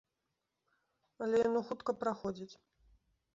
Але яно хутка праходзіць.